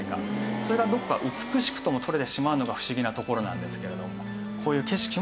それがどこか美しくともとれてしまうのが不思議なところなんですけれどもこういう景色もあるんですよね。